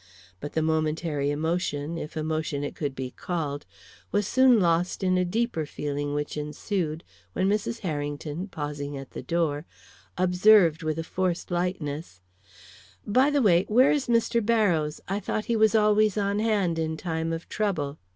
But the momentary emotion, if emotion it could be called, was soon lost in the deeper feeling which ensued when Mrs. Harrington, pausing at the door, observed, with a forced lightness: "By the way, where is Mr. Barrows? I thought he was always on hand in time of trouble."